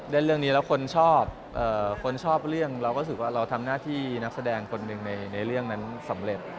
เล่นเรื่องนี้แล้วคนชอบคนชอบเรื่องเราก็รู้สึกว่าเราทำหน้าที่นักแสดงคนหนึ่งในเรื่องนั้นสำเร็จ